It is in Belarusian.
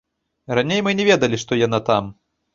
Раней мы не ведалі, што яна там.